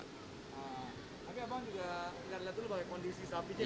tapi abang juga lihat lihat dulu bagaimana kondisi sapinya